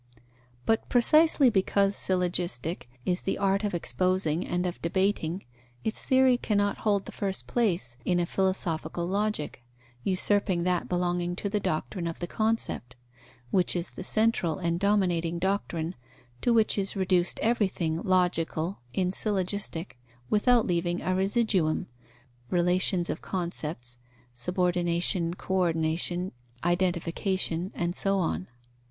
But precisely because syllogistic is the art of exposing and of debating, its theory cannot hold the first place in a philosophical Logic, usurping that belonging to the doctrine of the concept, which is the central and dominating doctrine, to which is reduced everything logical in syllogistic, without leaving a residuum (relations of concepts, subordination, co ordination, identification, and so on).